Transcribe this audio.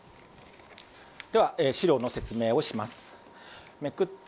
では、資料の説明をします。